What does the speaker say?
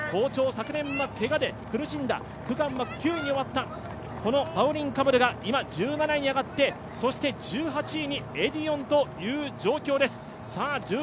昨年はけがで苦しんだ、区間は９位に終わったパウリン・カムルが今１７位に上がって１８位にエディオンという状況です。